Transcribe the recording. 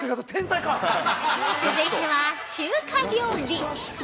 ◆続いては、中華料理。